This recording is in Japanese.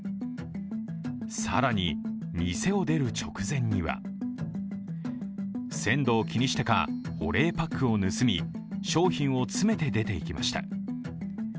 更に店を出る直前には鮮度を気にしてか、保冷パックを盗み商品を詰めて出ていきました。